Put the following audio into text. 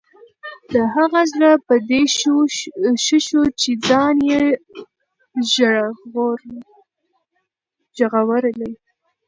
د هغه زړه په دې ښه شو چې ځان یې ژغورلی.